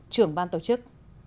trưởng ban tổ chức